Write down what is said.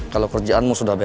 kalau kerjaanmu sudah beres